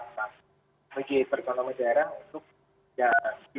memberikan penghutuman bagi pelaku usaha lokal